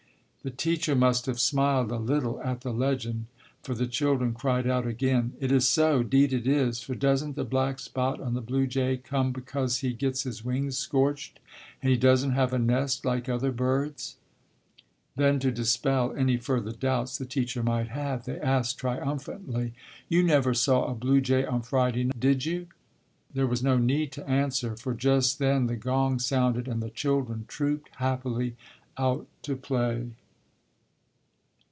The teacher must have smiled a little at the legend, for the children cried out again, "It is so. 'Deed it is, for doesn't the black spot on the blue jay come because he gets his wings scorched, and he doesn't have a nest like other birds." Then, to dispel any further doubts the teacher might have, they asked triumphantly, "You never saw a blue jay on Friday, did you?" There was no need to answer, for just then the gong sounded and the children trooped happily out to play.